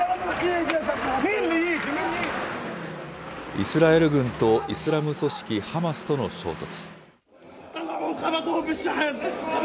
イスラエル軍とイスラム組織ハマスとの衝突。